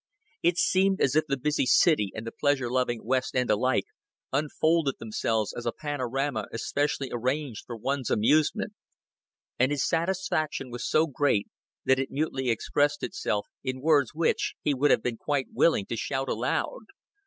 It seemed as if the busy city and the pleasure loving West end alike unfolded themselves as a panorama especially arranged for one's amusement; and his satisfaction was so great that it mutely expressed itself in words which he would have been quite willing to shout aloud.